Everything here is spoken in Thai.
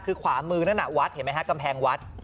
คือขวามือนั่นน่ะวัดเห็นไหมฮะกำแพงวัด